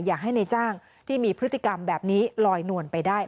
อย่าให้ในจ้างที่มีพฤติกรรมแบบนี้ลอยนวลไปได้